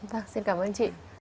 vâng xin cảm ơn chị